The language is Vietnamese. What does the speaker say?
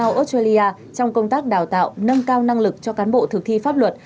bộ ngoại giao australia trong công tác đào tạo nâng cao năng lực cho cán bộ thực thi pháp luật